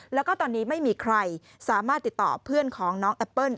แล้วก็ตอนนี้ไม่มีใครสามารถติดต่อเพื่อนของน้องแอปเปิ้ล